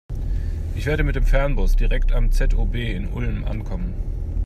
Ich werde mit dem Fernbus direkt am ZOB in Ulm ankommen.